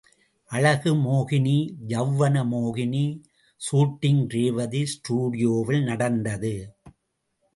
அழகு மோகினி, யெளவன மோகினி சூட்டிங் ரேவதி ஸ்டுடியோவில் நடந்தது.